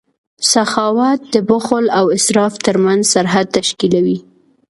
سخاوت د بخل او اسراف ترمنځ سرحد تشکیلوي.